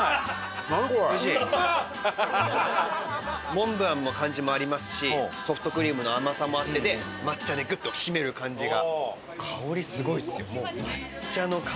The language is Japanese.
モンブランの感じもありますしソフトクリームの甘さもあって抹茶でグッと締める感じが。